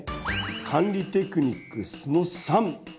管理テクニックその３！